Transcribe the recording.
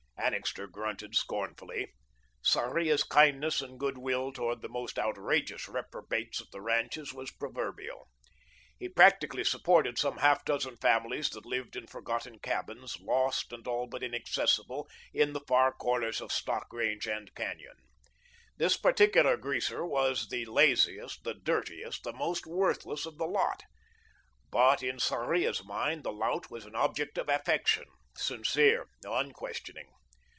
Annixter grunted scornfully. Sarria's kindness and good will toward the most outrageous reprobates of the ranches was proverbial. He practically supported some half dozen families that lived in forgotten cabins, lost and all but inaccessible, in the far corners of stock range and canyon. This particular greaser was the laziest, the dirtiest, the most worthless of the lot. But in Sarria's mind, the lout was an object of affection, sincere, unquestioning.